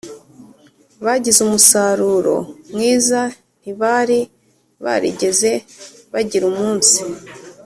bagize umusaruro mwiza Ntibari barigeze bagira Umunsi